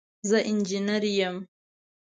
زه انجينر يم.